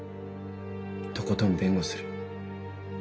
とことん弁護する。